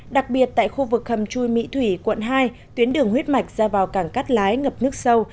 đặc biệt tại khu vực hầm chui mỹ thủy quận hai tuyến đường huyết mạch ra vào cảng cắt lái ngập nước sâu